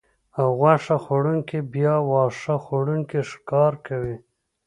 او غوښه خوړونکي بیا واښه خوړونکي ښکار کوي